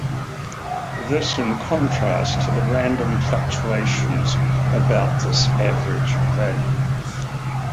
This is in contrast to the random fluctuations about this average value.